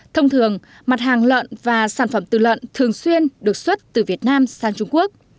thông thường mặt hàng lợn và sản phẩm từ lợn thường xuyên được xuất từ việt nam sang trung quốc